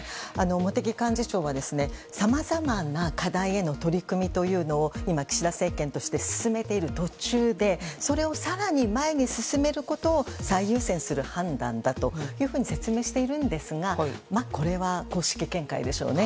茂木幹事長はさまざまな課題への取り組みというのを今、岸田政権として進めている途中でそれを更に前に進めることを最優先する判断だと説明しているんですがこれは公式見解でしょうね。